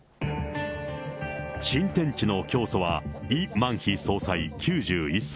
新天地の教祖は、イ・マンヒ総裁９１歳。